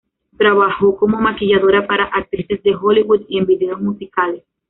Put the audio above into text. Trabajó como maquilladora para actrices de Hollywood y en vídeos musicales.